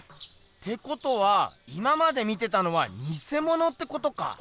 ってことは今まで見てたのはにせものってことか？